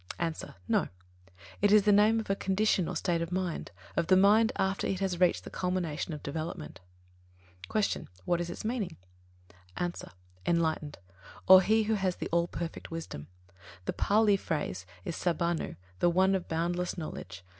_ A. No. It is the name of a condition or state of mind, of the mind after it has reached the culmination of development. 13. Q. What is its meaning? A. Enlightened; or, he who has the all perfect wisdom. The Pālī phrase is Sabbannu, the One of Boundless Knowledge.